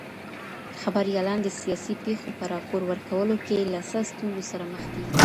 خبريالان د سياسي پېښو په راپور ورکولو کي له څه ستونزو سره مخ کېږي؟